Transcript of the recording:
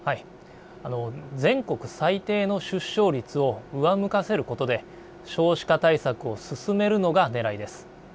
全国最低の出生率を上向かせることで少子化対策を進めるのがねらいです。